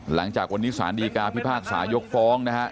หลังจากวันนี้สารดีกาพิพากษายกฟ้องนะครับ